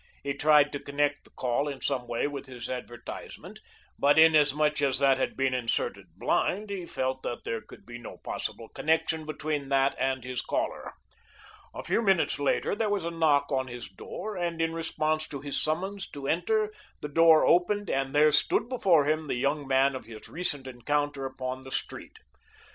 He tried to connect the call in some way with his advertisement, but inasmuch as that had been inserted blind he felt that there could be no possible connection between that and his caller. A few minutes later there was a knock on his door, and in response to his summons to enter the door opened, and there stood before him the young man of his recent encounter upon the street.